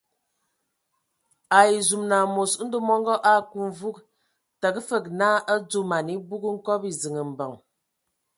Ai zum amos Ndɔ mɔngɔ a aku mvug, təga fəg naa a dzo man ebug nkɔbɔ ziŋ mbəŋ.